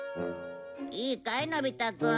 いいかいのび太くん。